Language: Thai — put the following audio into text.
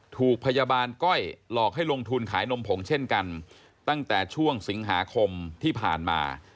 ถูกพยาบาลก้อยหลอกให้ลงทุนขายนมผงเช่นกันตั้งแต่ช่วงสิงหาคมที่ผ่านมา